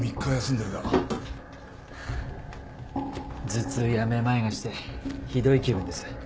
頭痛やめまいがしてひどい気分です。